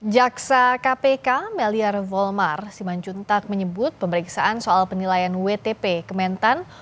jaksa kpk meliar volmar simanjuntak menyebut pemeriksaan soal penilaian wtp kementan